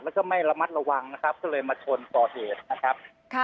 แล้วก็ไม่ระมัดระวังนะครับก็เลยมาชนก่อเหตุนะครับ